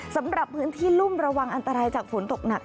สำหรับพื้นที่รุ่มระวังอันตรายจากฝนตกหนัก